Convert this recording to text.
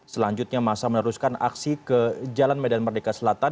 selanjutnya masa meneruskan aksi ke jalan medan merdeka selatan